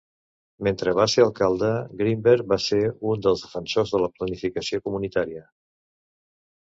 Mentre va ser alcalde, Greenberg va ser un dels defensors de la planificació comunitària.